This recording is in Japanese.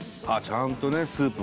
ちゃんとねスープ